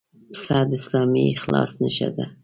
پسه د اسلامي اخلاص نښه ده.